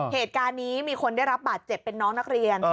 เหตุการณ์นี้มีคนได้รับบาดเจ็บเป็นน้องนักเรียน